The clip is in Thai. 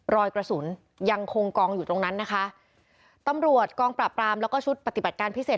รอยกระสุนยังคงกองอยู่ตรงนั้นนะคะตำรวจกองปราบปรามแล้วก็ชุดปฏิบัติการพิเศษ